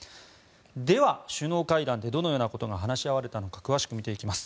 では、首脳会談でどのようなことが話し合われたのか詳しく見ていきます。